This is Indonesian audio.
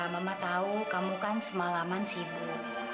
mama tahu kamu kan semalaman sibuk